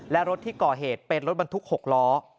และรถที่ก่อเหตุเป็นรถบรรทุก๖ล้อ